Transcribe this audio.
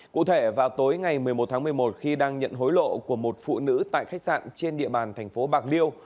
cụ thể vào tối ngày một mươi một tháng một mươi một khi đang nhận hối lộ của một phụ nữ tại khách sạn trên địa bàn thành phố bạc liêu